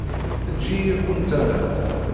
Eǧǧ-iyi ad kent-alleɣ.